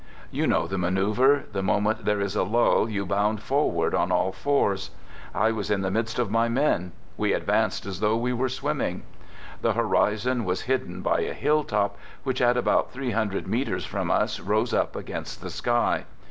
You know the maneuver: the moment there is a lull, you bound forward on all fours. I was in the midst of my men. We advanced as though we were swimming. The horizon was hidden by a hilltop which at about three hundred meters from us rose up against the sky.